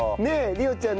梨桜ちゃん